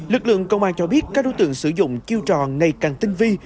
lực lượng công an cho biết các đối tượng sử dụng chiêu trò ngày càng tinh vi